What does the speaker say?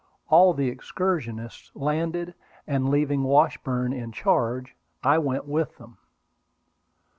All the excursionists landed, and leaving Washburn in charge, I went with them.